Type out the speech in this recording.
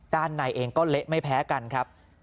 ในเองก็เละไม่แพ้กันครับ